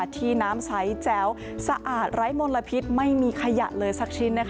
ที่น้ำใสแจ๋วสะอาดไร้มลพิษไม่มีขยะเลยสักชิ้น